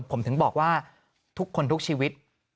ผมถึงบอกว่าทุกคนทุกชีวิต